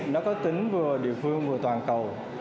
nó có tính vừa địa phương vừa toàn cầu